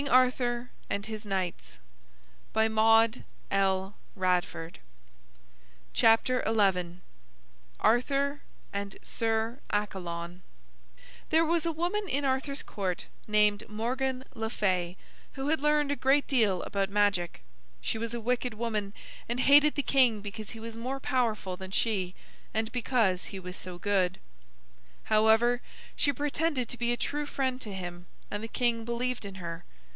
[Illustration: Two Crossed Swords and a Shield] ARTHUR AND SIR ACCALON There was a woman in Arthur's Court named Morgan le Fay, who had learned a great deal about magic. She was a wicked woman, and hated the king because he was more powerful than she, and because he was so good. However, she pretended to be a true friend to him, and the king believed in her.